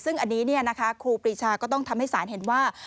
ซึ่งอันนี้ครูปรีชาก็ต้องทำให้ศาลเห็นว่า